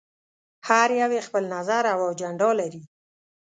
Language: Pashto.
هر يو یې خپل نظر او اجنډا لري.